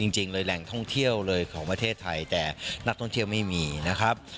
จริงเลยแหล่งท่องเที่ยวเลยของประเทศไทยแต่นักท่องเที่ยวไม่มีนะครับ